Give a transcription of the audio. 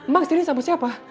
ma kesini sama siapa